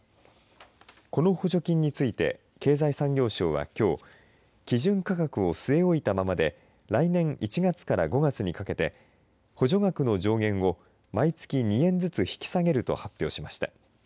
この補助金について経済産業省はきょう基準価格を据え置いたままで来年１月から５月にかけて補助額の上限を毎月２円ずつ引き下げると発表しました。